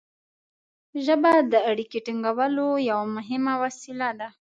ژبه د اړیکې ټینګولو یوه مهمه وسیله ده.